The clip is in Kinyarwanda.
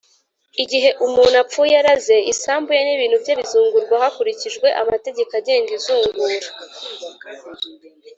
igihe umuntu apfuye araze, isambu ye n’ibintu bye bizungurwa hakurikijwe amategeko agenga izungura.